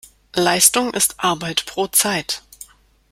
Leistung ist Arbeit pro Zeit.